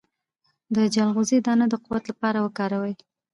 د چلغوزي دانه د قوت لپاره وکاروئ